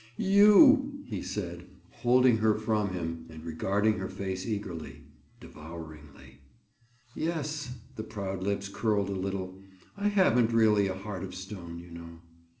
you!" he said, holding her from him and regarding her face eagerly, devouringly. "Yes," the proud lips curled a little, "I haven't really a heart of stone, you know."